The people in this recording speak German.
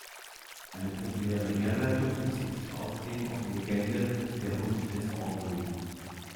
Eine populäre Herleitung bezieht sich außerdem auf die Legende "Der Hund des Aubry".